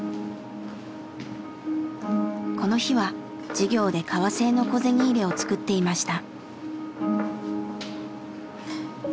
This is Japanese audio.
この日は授業で革製の小銭入れを作っていました。